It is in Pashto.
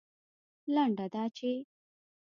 لنډه دا چې